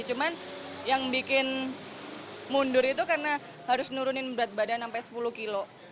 cuman yang bikin mundur itu karena harus nurunin berat badan sampai sepuluh kilo